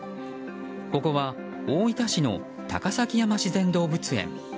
ここは大分市の高崎山自然動物園。